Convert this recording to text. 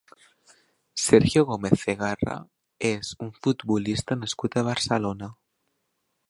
Sergio Gómez Cegarra és un futbolista nascut a Barcelona.